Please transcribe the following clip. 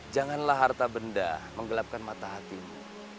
janganlah harta benda menggelapkan mata hatimu